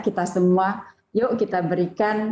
kita semua yuk kita berikan